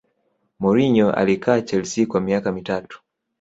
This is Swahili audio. mourinho alikaa chelsea kwa miaka mitatu